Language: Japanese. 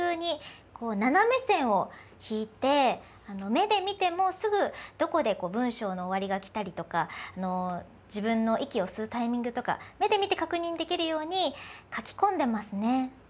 目で見てもすぐどこで文章の終わりが来たりとか自分の息を吸うタイミングとか目で見て確認できるように書きこんでますね。